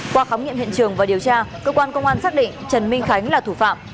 qua khám nghiệm hiện trường và điều tra cơ quan công an xác định trần minh khánh là thủ phạm